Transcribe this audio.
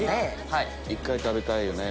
１回食べたいよね。